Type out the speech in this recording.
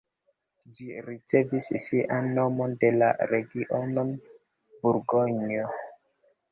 Ĝi ricevis sian nomon de la region Burgonjo.